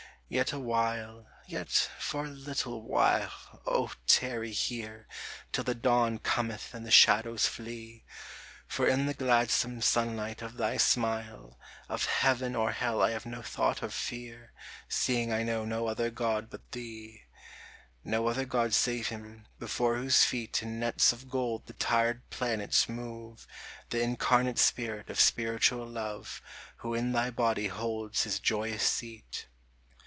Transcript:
yet awhile, Yet for a little while, O tarry here, Till the dawn cometh and the shadows flee ! For in the gladsome sunlight of thy smile Of heaven or hell I have no thought or fear, Seeing I know no other god but thee : No other god save him, before whose feet In nets of gold the tired planets move, The incarnate spirit of spiritual love Who in thy body holds his joyous seat.